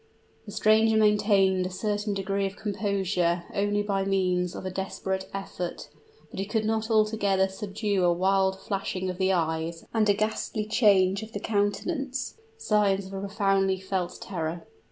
The stranger maintained a certain degree of composure only by means of a desperate effort, but he could not altogether subdue a wild flashing of the eyes and a ghastly change of the countenance signs of a profoundly felt terror.